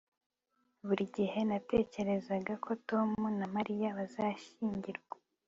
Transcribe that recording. buri gihe natekerezaga ko tom na mariya bazashyingirwa